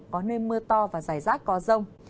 có nơi mưa to và giải rác có rông